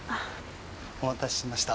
お待たせしました。